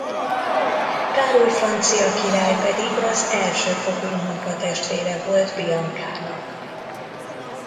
Károly francia király pedig az elsőfokú unokatestvére volt Biankának.